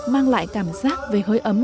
mang lại cảm giác về hơi ấm